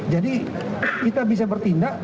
jadi kita bisa bertindak